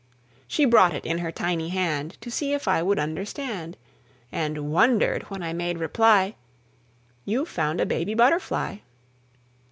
She brought it in her tiny hand To see if I would understand, And wondered when I made reply, "You've found a baby butterfly."